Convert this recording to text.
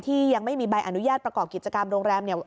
ยังไม่มีใบอนุญาตประกอบกิจกรรมโรงแรมเนี่ย